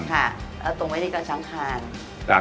ตรงไว้ในกลางช้างทาน